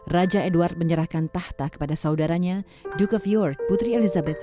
raja edward menyerahkan tahta kepada saudaranya duke vior putri elizabeth